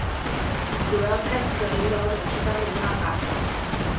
主要派系的领导者是当年的第二把手。